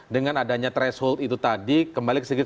dengan adanya threshold itu tadi kembali sedikit